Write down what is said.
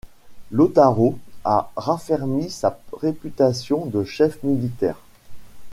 Lautaro a raffermi sa réputation de chef militaire.